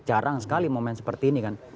jarang sekali momen seperti ini kan